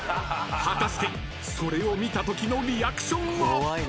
［果たして”それ”を見たときのリアクションは？］